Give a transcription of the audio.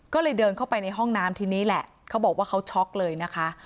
ก็เลยเดินเข้าไปในห้องน้ำทีนี้แหละเขาบอกว่าเขาช็อกเลยนะคะ